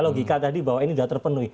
logika tadi bahwa ini sudah terpenuhi